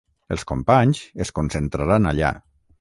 Els companys es concentraran allà